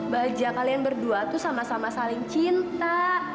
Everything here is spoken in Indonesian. baja kalian berdua tuh sama sama saling cinta